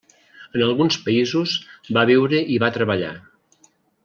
En alguns països, va viure i va treballar.